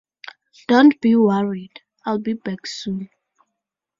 Don't be worried, I'll be back soon.